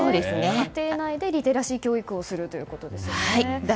家庭内でリテラシー教育をするということですね。